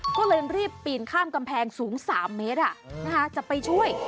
ก็เลยรีบปีนข้ามกำแพงสูง๓เมตรจะไปช่วย